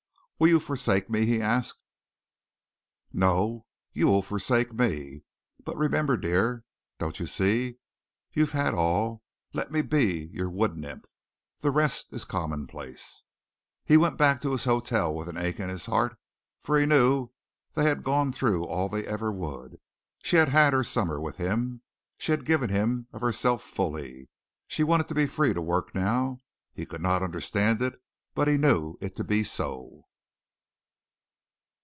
"Will you forsake me?" he asked. "No, you will forsake me. But remember, dear! Don't you see? You've had all. Let me be your wood nymph. The rest is commonplace." He went back to his hotel with an ache in his heart, for he knew they had gone through all they ever would. She had had her summer with him. She had given him of herself fully. She wanted to be free to work now. He could not understand it, but he knew it to be so.